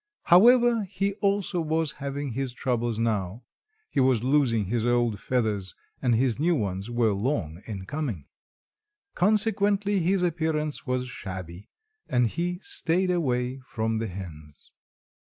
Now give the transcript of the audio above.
However, he also was having his troubles now. He was losing his old feathers, and his new ones were long in coming. Consequently, his appearance was shabby, and he staid away from the hens.